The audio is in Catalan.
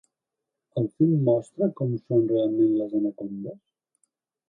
El film mostra com són realment les anacondes?